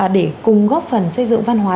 để cùng góp phần xây dựng văn hóa